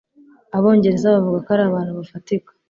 Abongereza bavuga ko ari abantu bafatika.